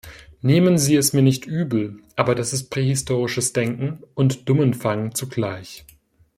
Nehmen Sie es mir nicht übel, aber das ist prähistorisches Denken und Dummenfang zugleich.